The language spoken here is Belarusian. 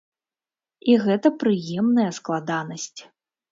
І гэта прыемная складанасць.